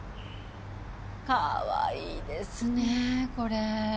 かわいいですねこれ。